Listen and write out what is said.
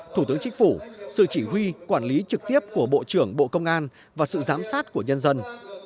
thủ tướng chính phủ sự chỉ huy quản lý trực tiếp của bộ trưởng bộ công an và sự giám sát của nhân dân